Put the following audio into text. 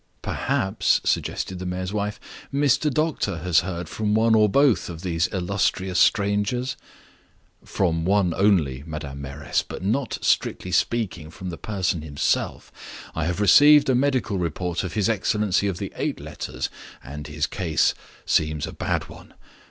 "Perhaps," suggested the mayor's wife, "Mr. Doctor has heard from one or both of these illustrious strangers?" "From one only, Madam Mayoress; but not, strictly speaking, from the person himself. I have received a medical report of his excellency of the eight letters, and his case seems a bad one.